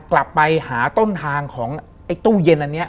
กลับไปหาต้นทางของไอ้ตู้เย็นอันนี้